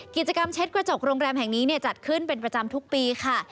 กิจกรรมเช็ดกระจกโรงแรมแห่งนี้จัดขึ้นเป็นประจำทุกปีค่ะ